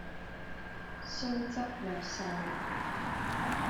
雖則略瘦，